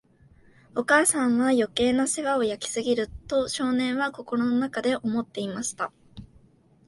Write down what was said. お母さんは、余計な世話を焼きすぎる、と少年は心の中で思っていました。